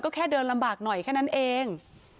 ก็แค่เดินลำบากหน่อยแค่นั้นเอง